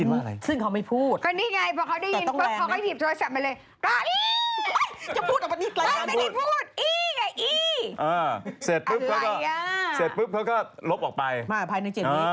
หนูรู้สึกผิด